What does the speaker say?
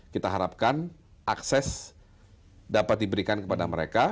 kita harapkan akses dapat diberikan kepada mereka